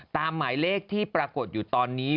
หมายเลขที่ปรากฏอยู่ตอนนี้